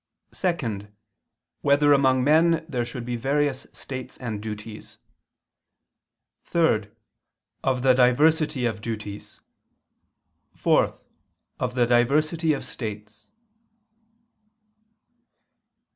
(2) Whether among men there should be various states and duties? (3) Of the diversity of duties; (4) Of the diversity of states.